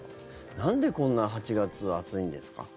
なんでこんな８月は暑いんですか？